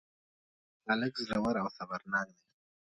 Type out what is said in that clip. هلک زړور او صبرناک دی.